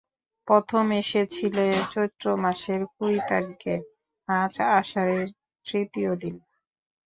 প্রথম এসেছিলে চৈত্র মাসের কুড়ি তারিখে, আজ আষাঢ়ের তৃতীয় দিন।